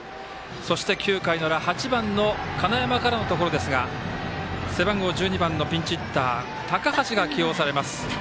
そして、９回の裏８番の金山からのところですが背番号１２番のピンチヒッター高橋が起用されます。